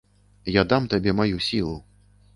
Я дам табе маю сілу.